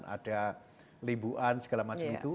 ada limbuan segala macam itu